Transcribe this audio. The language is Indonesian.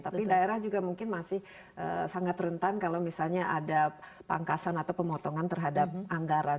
tapi daerah juga mungkin masih sangat rentan kalau misalnya ada pangkasan atau pemotongan terhadap anggaran